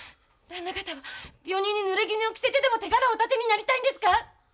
旦那方は病人に濡れ衣を着せてでも手柄をお立てになりたいんですか？